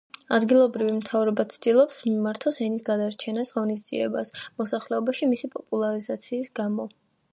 ადგილობრივი მთავრობა ცდილობს მიმართოს ენის გადარჩენის ღონისძიებებს, მოსახლეობაში მისი პოპულაციის გზით.